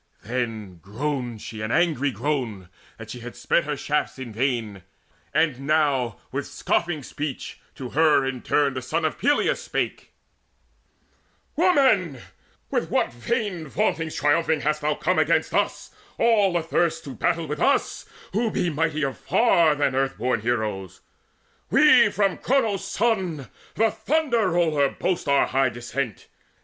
Then groaned she an angry groan that she had sped Her shafts in vain; and now with scoffing speech To her in turn the son of Peleus spake: "Woman, with what vain vauntings triumphing Hast thou come forth against us, all athirst To battle with us, who be mightier far Than earthborn heroes? We from Cronos' Son, The Thunder roller, boast our high descent.